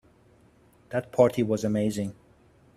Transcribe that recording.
That party was amazing.